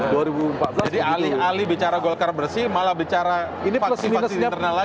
jadi alih alih bicara golkar bersih malah bicara vaksin vaksin internal lagi ya